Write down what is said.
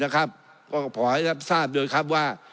ก็ขอให้รับทราบด้วยครับว่า